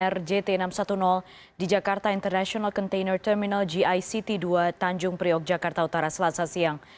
rjt enam ratus sepuluh di jakarta international container terminal gict dua tanjung priok jakarta utara selasa siang